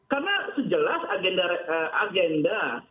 karena sejelas agenda